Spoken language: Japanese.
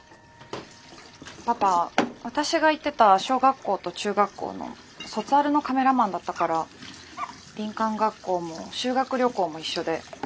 パパ私が行ってた小学校と中学校の卒アルのカメラマンだったから林間学校も修学旅行も一緒で。